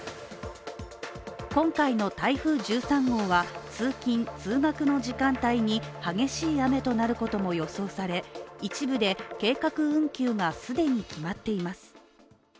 今回の台風１３号は通勤・通学の時間帯に激しい雨となることが予想され一部で計画運休が既に決まっています。